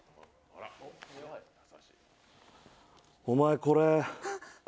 お前これ。